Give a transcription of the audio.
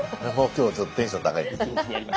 今日ちょっとテンション高いんです。